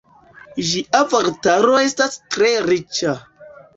Ĝia vortaro estas tre riĉa.